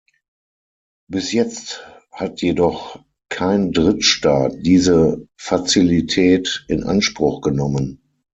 Bis jetzt hat jedoch kein Drittstaat diese Fazilität in Anspruch genommen.